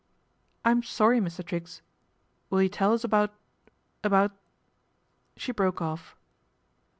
|" I'm sorry, Mr. Triggs. Will you tell us about Ibout ?" she broke off.